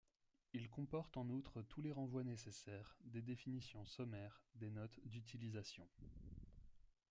Il comporte en outre tous les renvois nécessaires, des définitions sommaires, des notes d'utilisation.